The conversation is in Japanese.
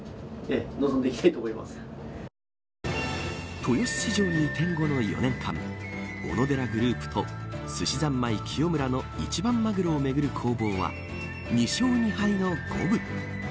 豊洲市場に移転後の４年間オノデラグループとすしざんまい喜代村の一番マグロをめぐる攻防は２勝２敗の五分。